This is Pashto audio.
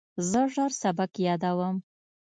زه ژر سبق یادوم.